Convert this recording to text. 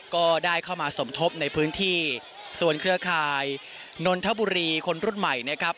ก็ได้เข้ามาสมทบในพื้นที่ส่วนเครือข่ายนนทบุรีคนรุ่นใหม่นะครับ